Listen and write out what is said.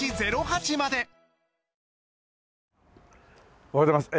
おはようございます。